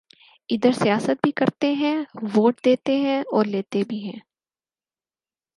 ا دھر سیاست بھی کرتے ہیں ووٹ دیتے ہیں اور لیتے بھی ہیں